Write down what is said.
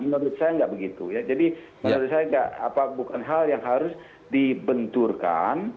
menurut saya nggak begitu ya jadi menurut saya bukan hal yang harus dibenturkan